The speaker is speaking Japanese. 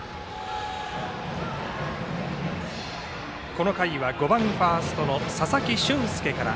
この回は５番ファーストの佐々木駿介から。